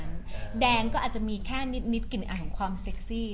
ดแดงก็อาจจะมีแค่นิดกลิ่นไอของความเซคซี